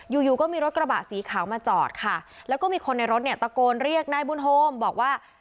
อยู่อยู่ก็มีรถกระบะสีขาวมาจอดค่ะแล้วก็มีคนในรถเนี่ยตะโกนเรียกนายบุญโฮมบอกว่า